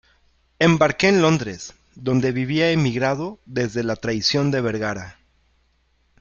embarqué en Londres, donde vivía emigrado desde la traición de Vergara